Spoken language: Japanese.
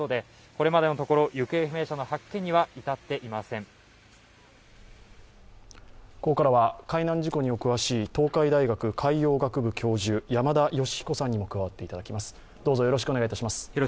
ここからは、海難事故にお詳しい東海大学海洋学部教授、山田吉彦さんに加わっていただきます。